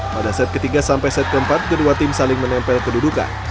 pada set ketiga sampai set keempat kedua tim saling menempel kedudukan